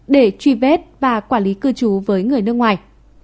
để truy vết và quản lý cư trú với người nước ngoài